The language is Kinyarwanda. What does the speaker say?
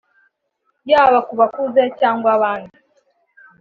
yaba ku bakuze cyangwa abandi